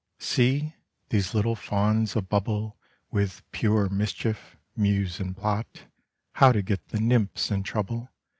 See 1 these little fauns, a bubble With pure mischief, muse and plot How to get the nymphs in trouble.